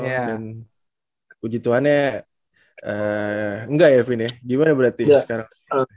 dan kewujudannya enggak ya vin ya gimana berarti sekarang